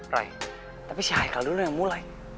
rai tapi si haikal dulu yang mulai